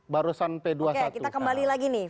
barusan p dua puluh satu oke kita kembali lagi nih